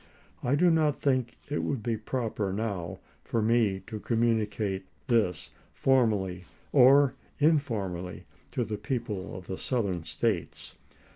I do not think it would be proper now for me to communicate this formally or in formally to the people of the Southern States.